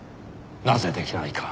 なぜ出来ないか